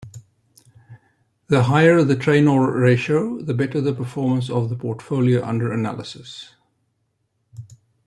The higher the Treynor ratio, the better the performance of the portfolio under analysis.